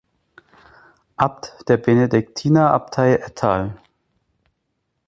Abt der Benediktinerabtei Ettal.